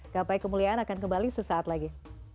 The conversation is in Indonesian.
gapai kemuliaan akan kembali sesaat lagi